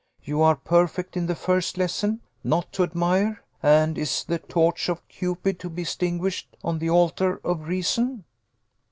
You are perfect in the first lesson not to admire. And is the torch of Cupid to be extinguished on the altar of Reason?"